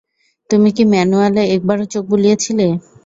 তুমি কি ম্যানুয়ালে একবারও চোখ বুলিয়েছিলে?